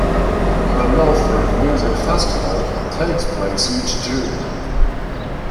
The Milford Music Festival takes place each June.